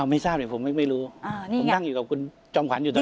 ไม่ทราบเนี่ยผมไม่รู้ผมนั่งอยู่กับคุณจอมขวัญอยู่ตลอด